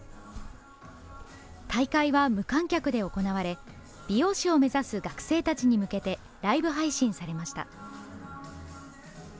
大会は無観客で行われ美容師を目指す学生たちに向けてライブ配信されました。